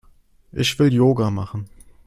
Ich will Yoga machen.